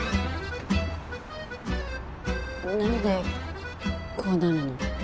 なんでこうなるの。